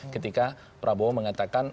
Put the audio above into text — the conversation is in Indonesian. ketika prabowo mengatakan